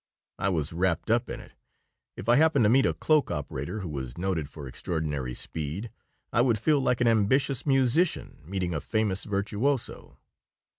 I was wrapped up in it. If I happened to meet a cloak operator who was noted for extraordinary speed I would feel like an ambitious musician meeting a famous virtuoso.